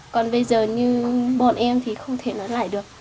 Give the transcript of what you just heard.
còn bây giờ như bọn em thì không thể nói lại được